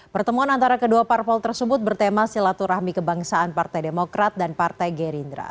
pertemuan antara kedua parpol tersebut bertema silaturahmi kebangsaan partai demokrat dan partai gerindra